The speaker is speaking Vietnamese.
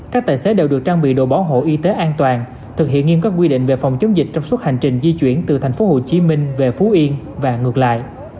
các tài xế đều được trang bị đồ bảo hộ y tế an toàn thực hiện nghiêm các quy định về phòng chống dịch trong suốt hành trình di chuyển từ tp hcm về phú yên và ngược lại